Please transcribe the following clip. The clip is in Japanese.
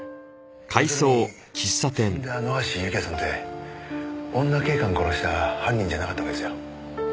要するに死んだ野橋幸也さんって女警官殺した犯人じゃなかったわけですよ。